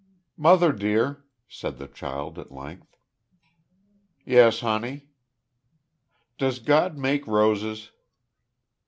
"Mother, dear," said the child, at length. "Yes, honey?" "Does God make roses?"